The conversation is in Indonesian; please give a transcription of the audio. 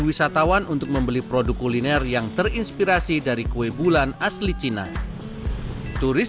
wisatawan untuk membeli produk kuliner yang terinspirasi dari kue bulan asli cina turis